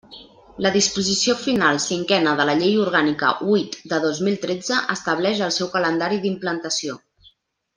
La disposició final cinquena de la Llei Orgànica huit de dos mil tretze, estableix el seu calendari d'implantació.